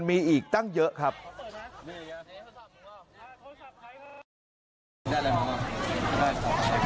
ทำไมเข้าไปกลับมาครบลงงาน